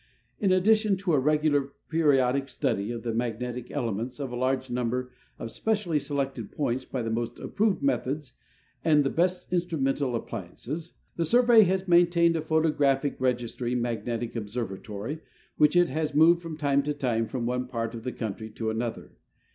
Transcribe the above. In addition to a regu lar, periodic study of the magnetic elements at a large number of specially selected points by the most approved methods and the best of instrumental appliances, the Survey has maintained a photographic registering magnetic observatory, which it has moved from time to time from one part of the country to another.